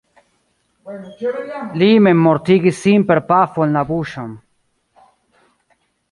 Li memmortigis sin per pafo en la buŝon.